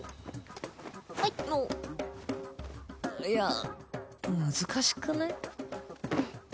いや難しくない？